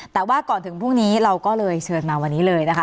แต่ว่าก่อนถึงพรุ่งนี้เราก็เลยเชิญมาวันนี้เลยนะคะ